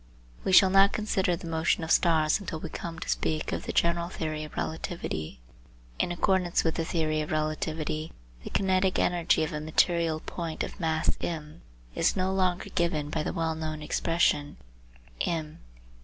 We shall not consider the motion of stars until we come to speak of the general theory of relativity. In accordance with the theory of relativity the kinetic energy of a material point of mass m is no longer given by the well known expression eq.